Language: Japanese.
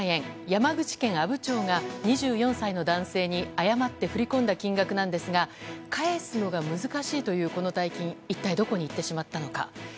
山口県阿武町が２４歳の男性に誤って振り込んだ金額なんですが返すのが難しいというこの大金一体どこにいってしまったのか。